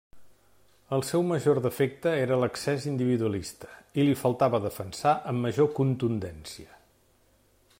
El seu major defecte era l'excés individualista i li faltava defensar amb major contundència.